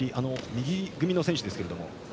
右組みの選手ですが。